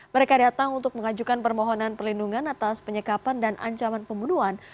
mereka datang untuk mengajukan permohonan perlindungan atas penyekapan dan ancaman pembunuhan